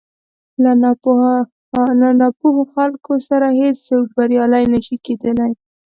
له ناپوهو خلکو سره هېڅ څوک بريالی نه شي کېدلی.